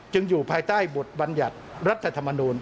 จึงอยู่ภายใต้บทบรรยัตรรัฐธรรมนูน